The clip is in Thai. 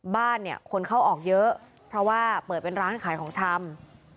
บ้านเนี่ยคนเข้าออกเยอะเพราะว่าเปิดเป็นร้านขายของชำ